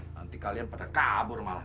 nanti kalian pada kabur malah